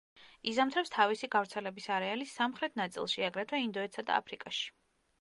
იზამთრებს თავისი გავრცელების არეალის სამხრეთ ნაწილში, აგრეთვე ინდოეთსა და აფრიკაში.